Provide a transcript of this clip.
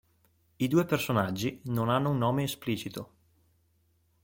I due personaggi non hanno un nome esplicito.